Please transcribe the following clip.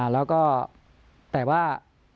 แล้วก็แต่ว่า